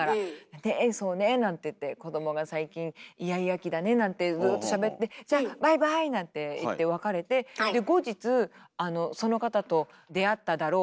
「ねえそうねえ」なんて言って「子供が最近イヤイヤ期だね」なんてずっとしゃべって「じゃあバイバイ」なんて言って別れてで後日その方と出会っただろう